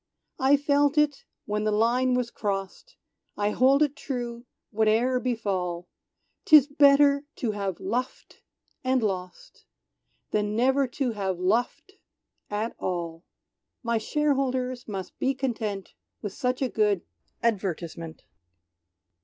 "I felt it when the line was crost, I hold it true, whate'er befall, 'Tis better to have luffed and lost, Than never to have luffed at all! My shareholders must be content With such a good advertisement."